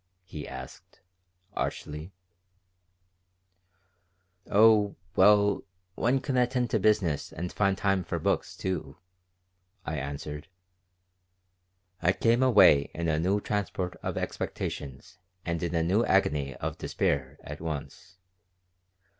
he asked, archly "Oh, well, one can attend to business and find time for books, too," I answered I came away in a new transport of expectations and in a new agony of despair at once.